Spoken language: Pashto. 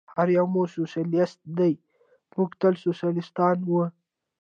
هر یو مو سوسیالیست دی، موږ تل سوسیالیستان و.